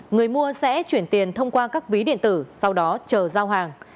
người mua sẽ chuyển tiền thông qua các ví điện tử sau đó chờ giao hàng